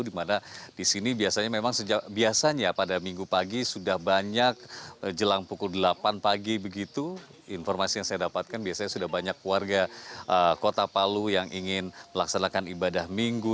dimana di sini biasanya memang biasanya pada minggu pagi sudah banyak jelang pukul delapan pagi begitu informasi yang saya dapatkan biasanya sudah banyak warga kota palu yang ingin melaksanakan ibadah minggu